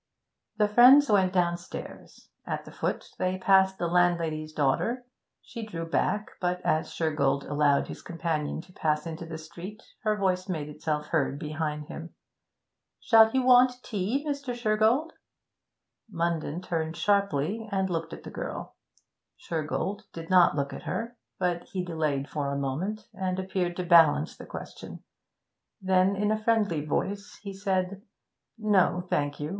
The friends went downstairs. At the foot they passed the landlady's daughter: she drew back, but, as Shergold allowed his companion to pass into the street, her voice made itself heard behind him. 'Shall you want tea, Mr. Shergold?' Munden turned sharply and looked at the girl. Shergold did not look at her, but he delayed for a moment and appeared to balance the question. Then, in a friendly voice, he said 'No, thank you.